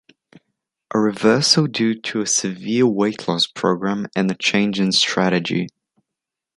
A reversal due to a severe weight loss program and a change in strategy.